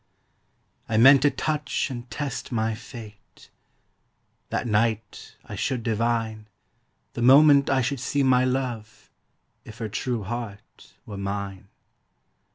I meant to touch and test my fate; That night I should divine, The moment I should see my love, If her true heart were mine.